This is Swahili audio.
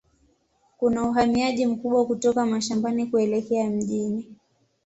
Kuna uhamiaji mkubwa kutoka mashambani kuelekea mjini.